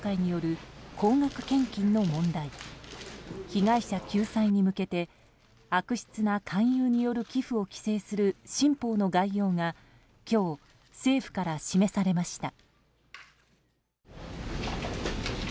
被害者救済に向けて悪質な勧誘による寄付を規制する新法の概要が今日、政府から示されました。